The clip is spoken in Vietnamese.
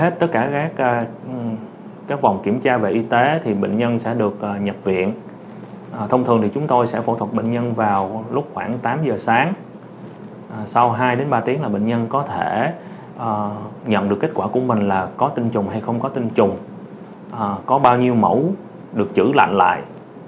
trong các vòng kiểm tra về y tế bệnh nhân sẽ được nhập viện thông thường chúng tôi sẽ phẫu thuật bệnh nhân vào lúc khoảng tám giờ sáng sau hai ba tiếng bệnh nhân có thể nhận được kết quả của mình là có tinh trùng hay không có tinh trùng có bao nhiêu mẫu được chữ lạnh lại